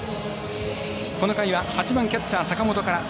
この回は８番キャッチャー坂本から。